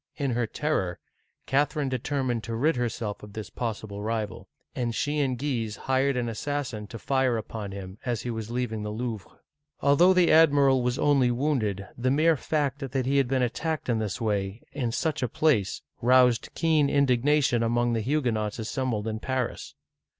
In her terror, Catherine determined to rid her self of this possible rival, and she and Guise hired an assassin to fire upon him as he was leaving the Louvre. Although the admiral was only wounded, the mere fact that he had been attacked in this way, in such a place, roused keen indignation among the Huguenots assembled in Paris.